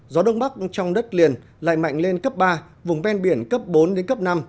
gió đông bắc trong đất liền lại mạnh lên cấp ba vùng ven biển cấp bốn năm